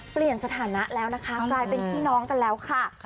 สถานะแล้วนะคะกลายเป็นพี่น้องกันแล้วค่ะ